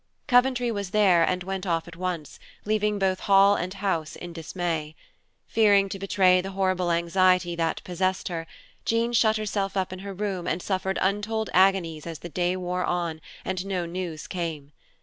Coventry was there, and went off at once, leaving both Hall and house in dismay. Fearing to betray the horrible anxiety that possessed her, Jean shut herself up in her room and suffered untold agonies as the day wore on and no news came.